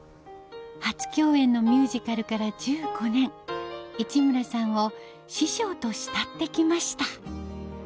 初共演のミュージカルから１５年市村さんを「師匠」と慕って来ました